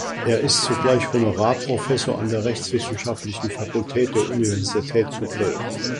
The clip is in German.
Er ist zugleich Honorarprofessor an der rechtswissenschaftlichen Fakultät der Universität zu Köln.